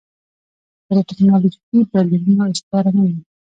پر ټکنالوژیکي بدلونونو استواره نه وي.